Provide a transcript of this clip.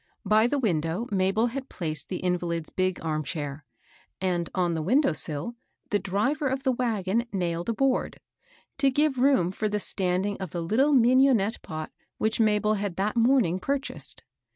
By the window Mabel had placed the invalid's big arm chair ; and on the window sill the driv^ of the wagon nailed a board, to give room for the stand ing of the mignonette pot which Mabel had that morning purchased.